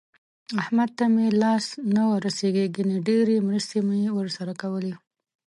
احمد ته مې لاس نه ورسېږي ګني ډېرې مرستې مې ورسره کولې.